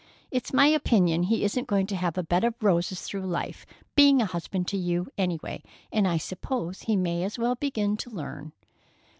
It's my opinion he isn't going to have a bed of roses through life, being a husband to you, any way, and I suppose he may as well begin to learn."